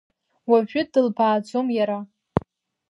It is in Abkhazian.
Уажәы дылбааӡом Иара.